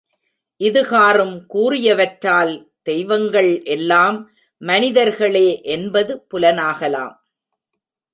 இது காறும் கூறியவற்றால், தெய்வங்கள் எல்லாம் மனிதர்களே என்பது புலனாகலாம்.